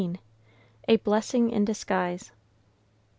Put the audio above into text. A BLESSING IN DISGUISE.